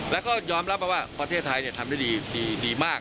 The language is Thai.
แล้วก็ยอมรับบอกว่าประเทศไทยเนี่ยทำได้ดีดีดีมาก